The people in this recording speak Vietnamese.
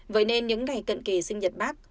vậy nên những ngày cận kề sinh nhật bác